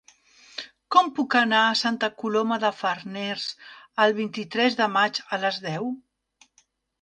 Com puc anar a Santa Coloma de Farners el vint-i-tres de maig a les deu?